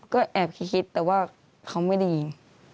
ก็แอบคิดแต่ว่าเขาไม่ได้ยิน